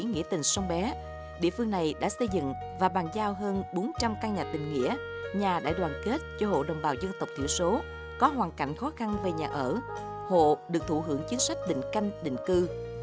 nghĩa tình sông bé địa phương này đã xây dựng và bàn giao hơn bốn trăm linh căn nhà tình nghĩa nhà đại đoàn kết cho hộ đồng bào dân tộc thiểu số có hoàn cảnh khó khăn về nhà ở hộ được thụ hưởng chính sách định canh định cư